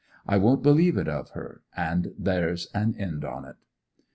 I won't believe it of her, and there's an end on't.